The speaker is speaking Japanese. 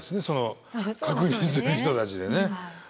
その確認する人たちでね。